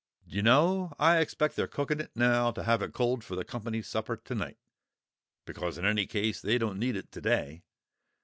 "D'you know, I expect they're cooking it now to have it cold for the company's supper to night, because in any case they don't need it to day.